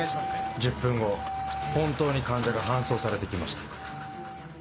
１０分後本当に患者が搬送されてきました。